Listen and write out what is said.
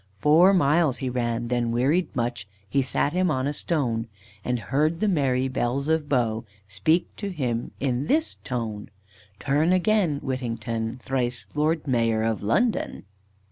Four miles he ran, then wearied much, He sat him on a stone, And heard the merry bells of Bow Speak to him in this tone 'Turn again, Whittington, Thrice Lord Mayor of London.